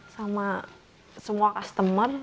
sama semua customer